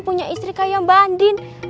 punya istri kaya mbak andin